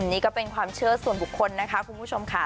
นี่ก็เป็นความเชื่อส่วนบุคคลนะคะคุณผู้ชมค่ะ